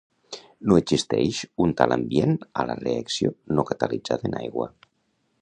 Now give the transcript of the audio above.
No existeix un tal ambient a la reacció no catalitzada en aigua.